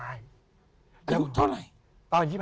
อายุเท่าไหร่